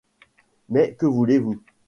Mais que voulez-vous